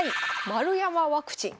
丸山ワクチン⁉